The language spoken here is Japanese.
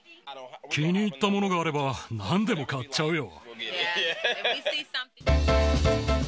気に入ったものがあれば、なんでも買っちゃうよ。